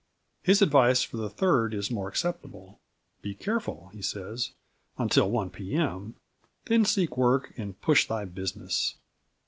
His advice for the 3rd is more acceptable. "Be careful," he says, "until 1 P.M. then seek work and push thy business."